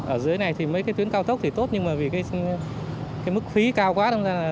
ở dưới này thì mấy cái tuyến cao tốc thì tốt nhưng mà vì cái mức phí cao quá đông